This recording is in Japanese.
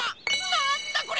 なんだこれ！？